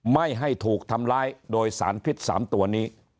ไม่ให้ถูกทำร้ายโดยสารพิษ๓ตัวนี้